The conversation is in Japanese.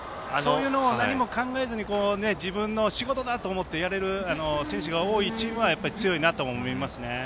何も考えずに自分の仕事だと思ってやれる選手が多いチームはやっぱり強いなと思いますね。